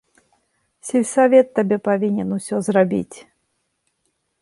Сельсавет табе павінен усё зрабіць!